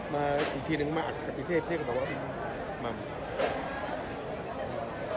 มาอีกทีนึงมาอัศพิเภพพิเภพเอ่ย